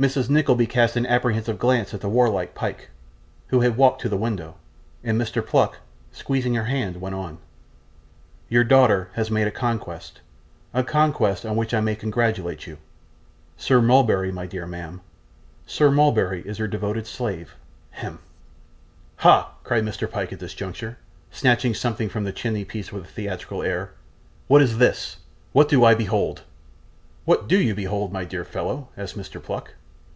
Mrs. Nickleby cast an apprehensive glance at the warlike Pyke, who had walked to the window; and Mr. Pluck, squeezing her hand, went on: 'Your daughter has made a conquest a conquest on which I may congratulate you. Sir Mulberry, my dear ma'am, Sir Mulberry is her devoted slave. Hem!' 'Hah!' cried Mr. Pyke at this juncture, snatching something from the chimney piece with a theatrical air. 'What is this! what do I behold!' 'What DO you behold, my dear fellow?' asked Mr. Pluck.